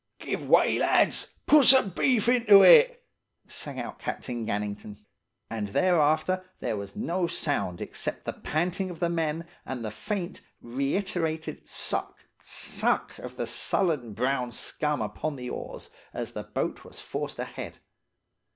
"'Give way, lads! Put some beef to it!' sang out Captain Gannington. And thereafter there was no sound except the panting of the men and the faint, reiterated suck, suck of the sullen brown scum upon the oars as the boat was forced ahead.